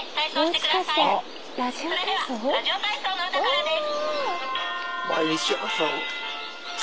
それでは『ラジオ体操の歌』からです」。